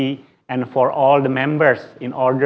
dan untuk semua anggota